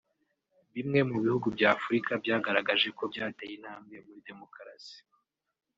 Bimwe mu bihugu bya Afurika byagaragaje ko byateye intambwe muri demokarasi